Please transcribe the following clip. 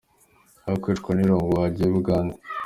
Aho kwicwa n’irungu Wagiye Bugande.